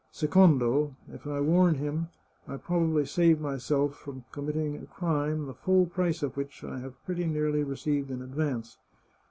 Secondo, if I warn him, I probably save myself from com mitting a crime the full price of which I have pretty nearly received in advance.